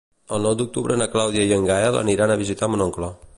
El nou d'octubre na Clàudia i en Gaël aniran a visitar mon oncle.